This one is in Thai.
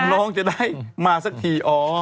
น้องจะได้มาสักที